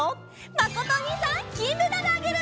まことおにいさんきんメダルあげる！